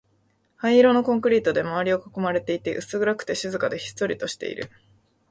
灰色のコンクリートで周りを囲まれていて、薄暗くて、静かで、ひっそりとしている